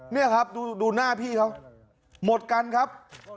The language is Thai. นี่ครับดูหน้าพี่เขาหมดกันครับ